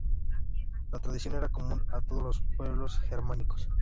La tradición era común a todos los pueblos germánicos.